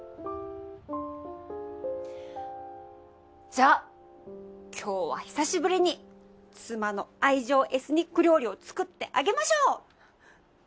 じゃあ今日は久しぶりに妻の愛情エスニック料理を作ってあげましょう！